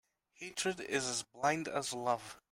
Hatred is as blind as love.